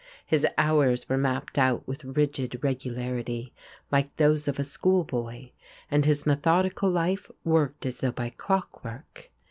His hours were mapped out with rigid regularity like those of a school boy, and his methodical life worked as though by clockwork.